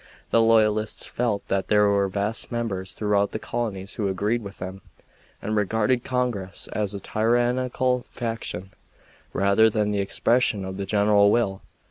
The loyalists felt that there were vast numbers throughout the colonies who agreed with them and regarded Congress as a tyrannical faction rather than the expression of the general will.